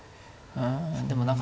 でも何か